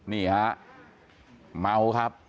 นี่ครับเมาครับ